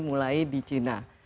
mulai di china